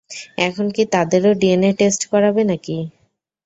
এখন কী তাদেরও ডিএনএ টেস্ট করাবে নাকি?